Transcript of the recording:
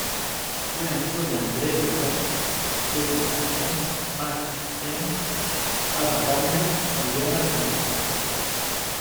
Fue Amigo de Andre Breton, Peggy Guggenheim, Max Ernst, Ava Gardner o Leonard Bernstein.